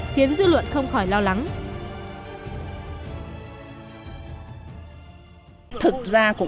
khiến dư luận không khỏi lo lắng